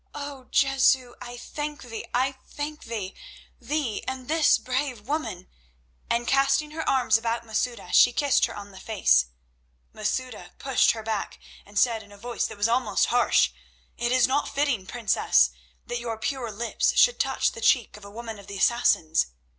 "Oh, Jesu, I thank Thee, I thank Thee—Thee, and this brave woman!" and, casting her arms about Masouda, she kissed her on the face. Masouda pushed her back, and said, in a voice that was almost harsh: "It is not fitting, Princess, that your pure lips should touch the cheek of a woman of the Assassins."